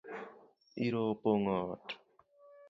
Iro opong’o ot